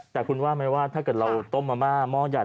แต่คุณว่าไหมว่าถ้าเกิดเราต้มมะม่าหม้อใหญ่